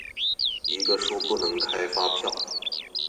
一個說不能開發票